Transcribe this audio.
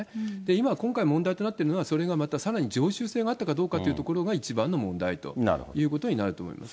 今、今回問題となっているのは、それがまたさらに常習性があったかどうかというところが一番の問題ということになると思います。